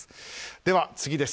では次です。